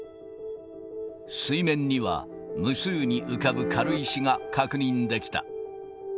水面には、無数に浮かぶ軽石が確認できた。